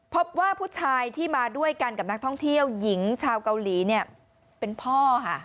พบว่าผู้ชายที่มาด้วยกันกับนักท่องเที่ยวหญิงชาวเกาหลีเนี่ยเป็นพ่อค่ะ